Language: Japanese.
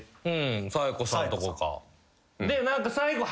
紗栄子さんとこか。